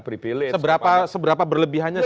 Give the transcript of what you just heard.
privilege seberapa berlebihannya